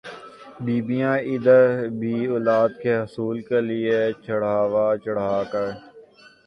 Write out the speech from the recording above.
بیبیاں ادھر بھی اولاد کے حصول کےلئے چڑھاوا چڑھا کر